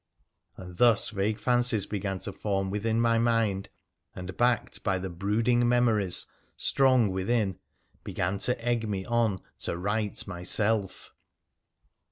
And thus vague fancies began to form within my mind, and, backed by the brooding memories strong within, began to egg me on to write myself